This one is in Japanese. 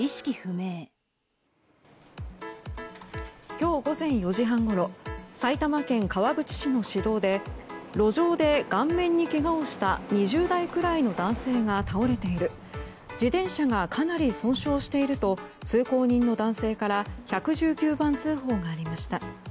今日午前４時半ごろ埼玉県川口市の市道で路上で顔面にけがをした２０代くらいの男性が倒れている自転車がかなり損傷していると通行人の男性から１１９番通報がありました。